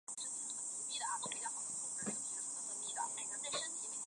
该组织关于占有躯体的描述可以解释为身体被灵魂占据。